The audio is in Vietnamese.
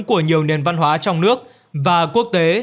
của nhiều nền văn hóa trong nước và quốc tế